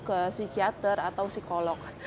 ke psikiater atau psikolog